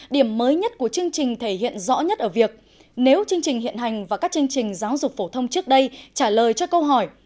điểm mới nhất của chương trình thể hiện rõ nhất ở việc nếu chương trình hiện hành và các chương trình giáo dục phổ thông trước đây trả lời cho câu hỏi